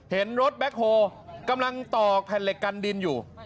เห็นรถแบ็คโฮกำลังต่อแผ่นเหล็กกันดินอยู่